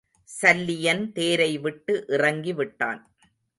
சல்லியன் தேரை விட்டு இறங்கி விட்டான்.